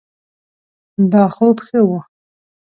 دا خوب ښه ؤ